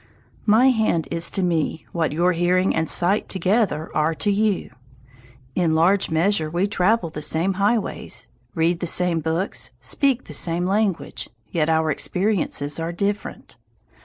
My hand is to me what your hearing and sight together are to you. In large measure we travel the same highways, read the same books, speak the same language, yet our experiences are different.